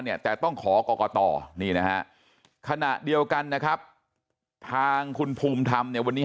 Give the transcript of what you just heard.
เนี่ยแต่ต้องขอกรกตนี่นะฮะขณะเดียวกันนะครับทางคุณภูมิธรรมเนี่ยวันนี้